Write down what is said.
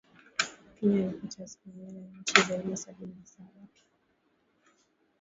Kenya ilipata asilimia ya chini zaidi ya Sabini na saba